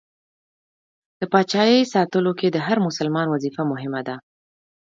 د پاچایۍ ساتلو کې د هر بسلمان وظیفه مهمه ده.